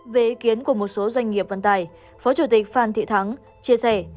về ý kiến của một số doanh nghiệp vận tải phó chủ tịch phan thị thắng chia sẻ